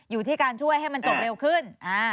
อยู่ที่การช่วยให้มันจบเร็วขึ้น